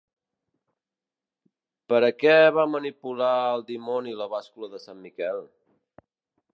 Per a què va manipular el dimoni la bàscula de sant Miquel?